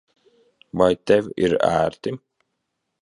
Vai tev ir ērti?